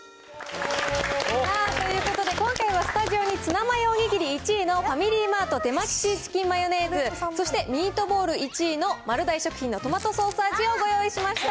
ということで、今回はスタジオにツナマヨおにぎり１位のファミリーマート手巻シーチキンマヨネーズ、そして、ミートボール１位の丸大食品のトマトソース味をご用意しました。